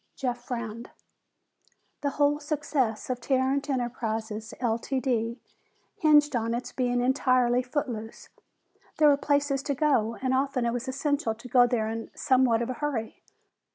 Jeff frowned. The whole success of Tarrant Enterprises, Ltd., hinged on its being entirely footloose. There were places to go, and often it was essential to go there in somewhat of a hurry.